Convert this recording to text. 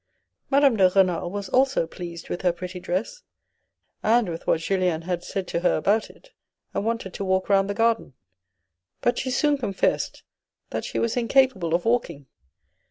Madame de Renal was also pleased with her pretty dress, and with what Julien had said to her about it, and wanted to walk round the garden. But she soon confessed that she was incapable of walking.